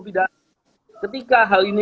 tidak ketika hal ini